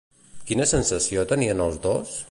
Quina sensació tenien els dos?